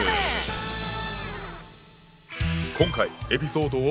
今回エピソードを。